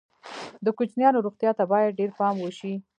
د کوچنیانو روغتیا ته باید ډېر پام وشي.